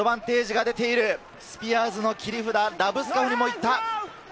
スピアーズの切り札、ラブスカフニも行った！